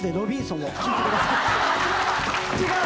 違う！